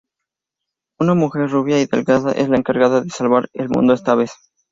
Una mujer rubia y delgada es la encargada de salvar el mundo esta vez.